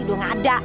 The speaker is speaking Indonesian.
udah nggak ada